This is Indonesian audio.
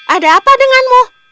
ada apa denganmu